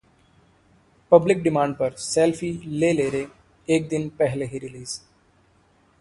public demand पर 'selfie ले ले रे' एक दिन पहले ही रिलीज